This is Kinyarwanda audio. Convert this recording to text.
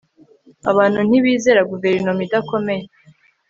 abantu ntibizera guverinoma idakomeye